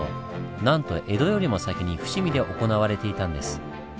なんと江戸よりも先に伏見で行われていたんです。